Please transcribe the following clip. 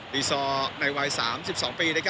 ดีซอร์ในวัย๓๒ปี